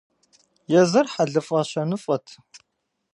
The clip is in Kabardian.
Езыр хьэлыфӀэ-щэныфӀэт.